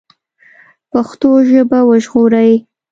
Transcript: پښتو ژبه وژغورئ